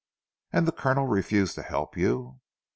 "And the Colonel refused to help you?"